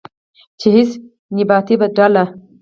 چې هیڅ نیابتي ډله